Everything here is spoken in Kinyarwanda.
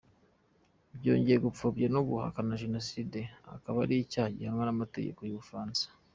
Byongeye gupfobya no guhakana jenoside akaba ari icyaha gihanwa n’amategeko y’u Bufaransa.